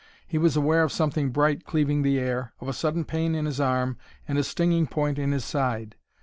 He was aware of something bright cleaving the air, of a sudden pain in his arm, and a stinging point in his side.